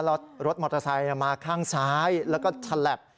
แล้วรถมอเตอร์ไซค์มาข้างซ้ายแล้วก็ฉลับ